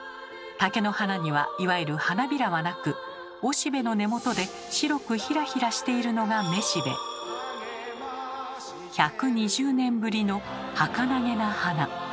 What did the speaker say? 竹の花にはいわゆる花びらはなくおしべの根本で白くひらひらしているのが１２０年ぶりのはかなげな花。